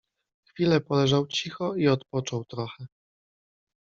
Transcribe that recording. Chwilę poleżał cicho i odpoczął trochę